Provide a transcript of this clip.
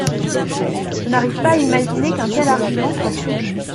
Je n’arrive pas à imaginer qu’un tel argument soit crédible.